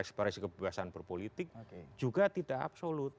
ekspresi kebebasan berpolitik juga tidak absolut